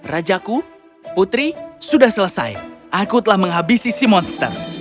rajaku putri sudah selesai aku telah menghabisi si monster